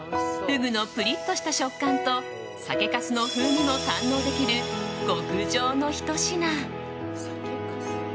フグのプリッとした食感と酒かすの風味も堪能できる極上のひと品。